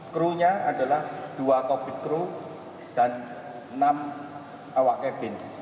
crew nya adalah dua cockpit crew dan enam awak cabin